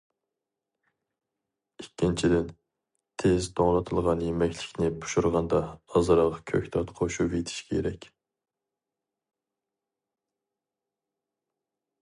ئىككىنچىدىن، تېز توڭلىتىلغان يېمەكلىكنى پىشۇرغاندا ئازراق كۆكتات قوشۇۋېتىش كېرەك.